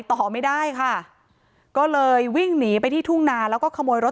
ต่อไม่ได้ค่ะก็เลยวิ่งหนีไปที่ทุ่งนาแล้วก็ขโมยรถ